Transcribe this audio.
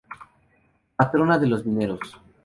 Patrona de los mineros.